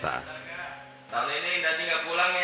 tahun ini dadi gak pulang ya